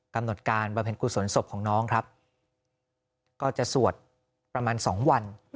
กำหนดการบรรเภนกุศลศพของน้องครับก็จะสวดประมาณสองวันอืม